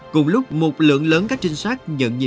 cùng lúc một lượng lớn các trinh sát nhận dịp bố này